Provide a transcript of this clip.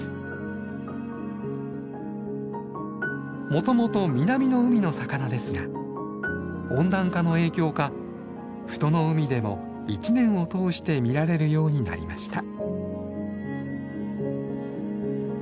もともと南の海の魚ですが温暖化の影響か富戸の海でも１年を通して見られるようになりました。